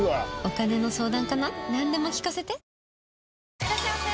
いらっしゃいませ！